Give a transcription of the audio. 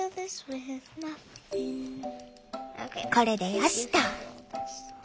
これでよしと。